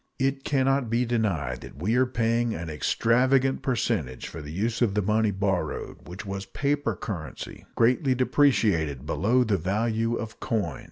It can not be denied that we are paying an extravagant percentage for the use of the money borrowed, which was paper currency, greatly depreciated below the value of coin.